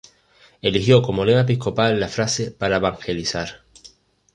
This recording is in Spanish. Eligió como lema episcopal la frase ""Para evangelizar"".